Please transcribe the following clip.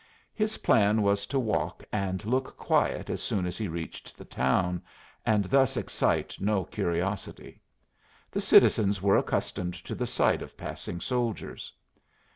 His plan was to walk and look quiet as soon as he reached the town, and thus excite no curiosity. The citizens were accustomed to the sight of passing soldiers.